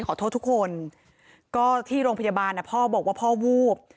ขอโทษทุกคนก็ที่โรงพยาบาลพ่อบอกว่าพ่อวูบ